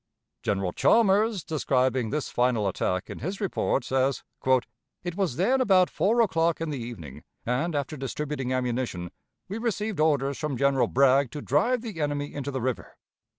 General Chalmers, describing this final attack in his report, says: "It was then about four o'clock in the evening, and, after distributing ammunition, we received orders from General Bragg to drive the enemy into the river.